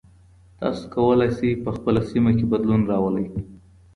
تاسو کولای سئ په خپله سیمه کې بدلون راولئ.